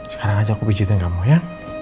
sekarang aja aku pijetin kamu ya